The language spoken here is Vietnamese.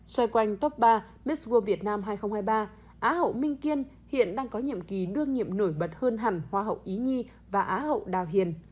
xoay quanh top ba misu việt nam hai nghìn hai mươi ba á hậu minh kiên hiện đang có nhiệm kỳ đương nhiệm nổi bật hơn hẳn hoa hậu ý nhi và á hậu đào hiền